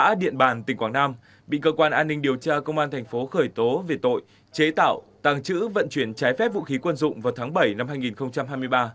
công an điện bàn tỉnh quảng nam bị cơ quan an ninh điều tra công an thành phố khởi tố về tội chế tạo tàng trữ vận chuyển trái phép vũ khí quân dụng vào tháng bảy năm hai nghìn hai mươi ba